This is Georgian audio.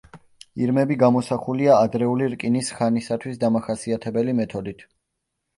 ირმები გამოსახულია ადრეული რკინის ხანისათვის დამახასიათებელი მეთოდით.